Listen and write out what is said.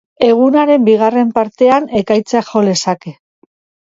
Egunaren bigarren partean, ekaitzak jo lezake.